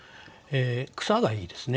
「草」がいいですね。